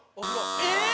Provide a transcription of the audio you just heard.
えっ！？